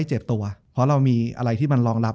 จบการโรงแรมจบการโรงแรม